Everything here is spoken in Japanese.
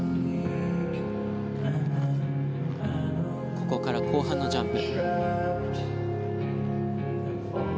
ここから後半のジャンプ。